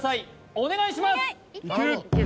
お願いします